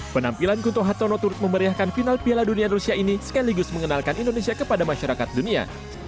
penampilan kunto hartono turut memeriahkan final piala dunia rusia ini sekaligus mengenalkan indonesia kepada masyarakat dunia